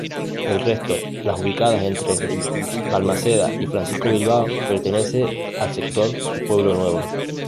El resto, las ubicadas entre Balmaceda y Francisco Bilbao, pertenece al sector Pueblo Nuevo.